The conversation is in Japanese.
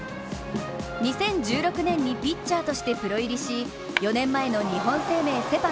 ２０１６年にピッチャーとしてプロ入りし、４年前の日本生命セ・パ